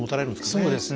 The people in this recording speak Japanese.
そうですね。